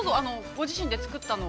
ご自身で作ったもの。